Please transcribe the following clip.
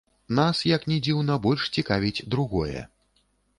Нас, як ні дзіўна, больш цікавіць другое.